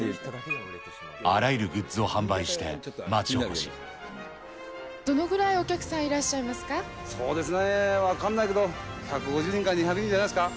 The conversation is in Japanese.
あらゆるグッズを販売して町おこどのくらいお客さんいらっしそうですね、分かんないけど、１５０人から２００人じゃないですか。